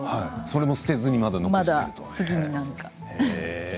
それも捨てずにまだ残していると。